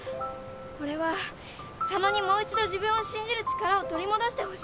俺は佐野にもう一度自分を信じる力を取り戻してほしい！